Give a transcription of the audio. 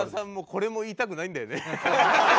これも言いたくないんだよね。